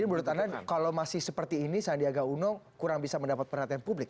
jadi menurut anda kalau masih seperti ini sandiaga uno kurang bisa mendapat perhatian publik